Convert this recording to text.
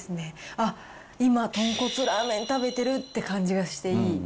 あっ、今、豚骨ラーメン食べてるって感じがして、いい。